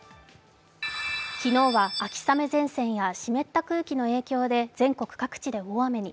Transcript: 昨日は秋雨前線や湿った空気の影響で全国各地で大雨に。